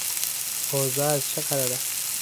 اوضاع از چه قرار است؟